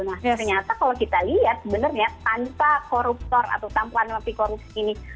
nah ternyata kalau kita lihat sebenarnya tanpa koruptor atau tanpa napi korupsi ini